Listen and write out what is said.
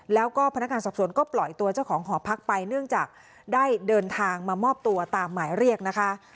แล้วก็พนักงานสอบสวนก็ปล่อยตัวเจ้าของหอพักไปเนื่องจากได้เดินทางมามอบตัวตามหมายเรียกนะคะ